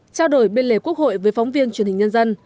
trao đổi bên lề quốc hội với phóng viên truyền hình nhân dân